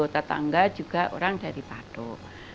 tetangga juga orang dari pado